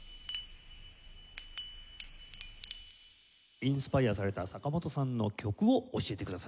インスパイアされた坂本さんの曲を教えてください。